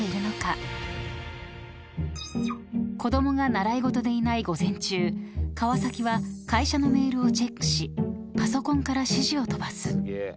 ［子供が習い事でいない午前中川崎は会社のメールをチェックしパソコンから指示を飛ばす］